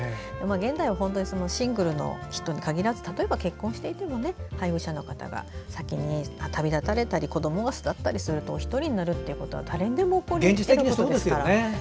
現代はシングルの人に限らず例えば結婚していても配偶者の方が先に旅立たれたり子どもが巣立ったりすると１人になるということは誰にでも起こり得ることですから。